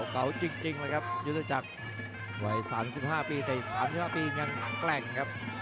เก่าจริงเลยครับยุทธจักรวัย๓๕ปีแต่อีก๓๕ปียังแข็งแกร่งครับ